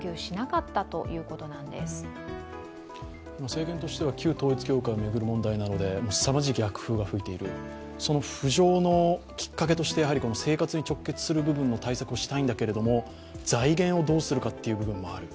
政権としては旧統一教会を巡る問題などですさまじい逆風が吹いている、その浮上のきっかけとして生活に直結する部分の対策をしたいんだけども財源をどうするかという部分もある。